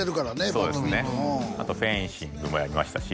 バドミントンあとフェンシングもやりましたし